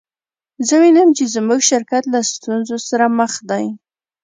زه وینم چې زموږ شرکت له ستونزو سره مخ دی